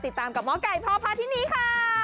ติดตามกับหมอไก่พ่อพาที่นี่ค่ะ